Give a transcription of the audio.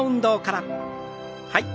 はい。